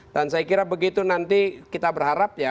dan saya kira begitu nanti kita berharap ya